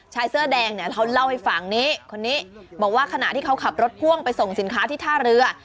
ชายเสื้อแดงเนี่ยเขาเล่าให้ฟังนี้คนนี้บอกว่าขณะที่เขาขับรถพ่วงไปส่งสินค้าที่ท่าเรือ